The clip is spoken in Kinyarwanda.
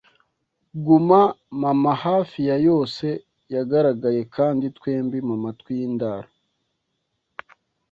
guma - mama hafi ya yose yagaragaye kandi twembi mumatwi yindaro.